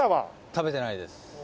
食べてないです。